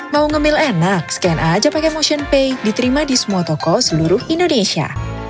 mau nge mail enak scan aja pake motionpay diterima di semua toko seluruh indonesia